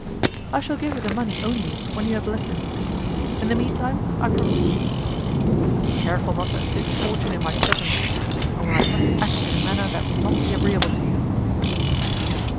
"I shall give her the money only when you have left this place; in the mean time I promise to be discreet, but be careful not to assist fortune in my presence, or I must act in a manner that will not be agreeable to you."